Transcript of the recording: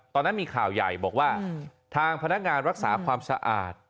ตอนนั้นมีข่าวใหญ่บอกว่าทางพนักงานรักษาความสะอาด